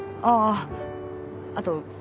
あああと